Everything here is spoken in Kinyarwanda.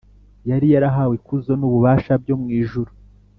yari yarahawe ikuzo n’ububasha byo mu ijuru